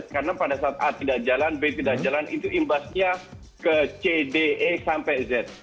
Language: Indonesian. karena pada saat a tidak jalan b tidak jalan itu imbasnya ke c d e sampai z